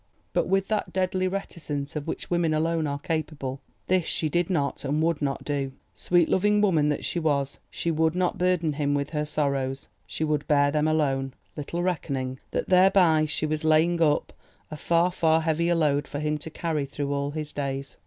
But, with that deadly reticence of which women alone are capable, this she did not and would not do. Sweet loving woman that she was, she would not burden him with her sorrows, she would bear them alone—little reckoning that thereby she was laying up a far, far heavier load for him to carry through all his days.